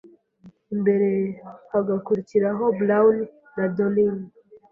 imbere hagakurikiraho Brown na Dorlne,